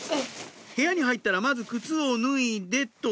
「部屋に入ったらまず靴を脱いでっと」